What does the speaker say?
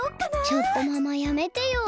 ちょっとママやめてよ